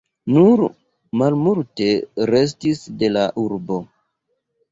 Nur malmulte restis de la urbo.